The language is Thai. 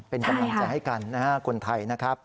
เป็นกำลังใจให้กันนะฮะคนไทยนะครับ